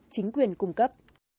chính quyền cung cấp